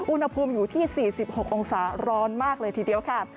อุณหภูมิอยู่ที่๔๖องศาร้อนมากเลยทีเดียวค่ะ